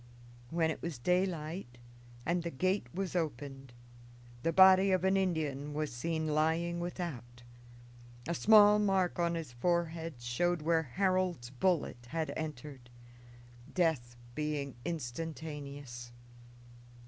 When it was daylight, and the gate was opened, the body of an Indian was seen lying without; a small mark on his forehead showed where Harold's bullet had entered; death being instantaneous.